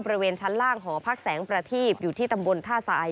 บริเวณชั้นล่างหอพักแสงประทีบอยู่ที่ตำบลท่าทราย